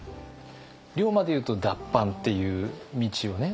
龍馬でいうと脱藩っていう道をね